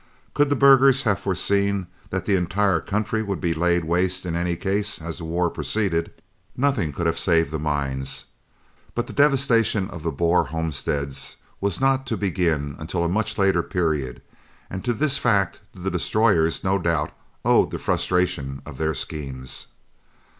Could the burghers have foreseen that the entire country would be laid waste in any case as the war proceeded, nothing could have saved the mines. But the devastation of Boer homesteads was not to begin until a much later period, and to this fact the "Destroyers" no doubt owed the frustration of their schemes.